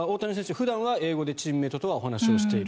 普段は英語でチームメートとお話はしている。